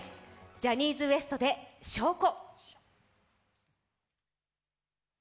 ジャニーズＷＥＳＴで「証拠」。